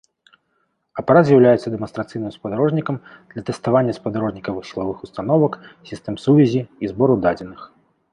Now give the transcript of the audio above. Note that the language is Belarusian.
Апарат з'яўляецца дэманстрацыйным спадарожнікам для тэставання спадарожнікавых сілавых установак, сістэм сувязі і збору дадзеных.